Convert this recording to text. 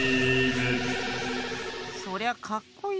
そりゃかっこいいけど。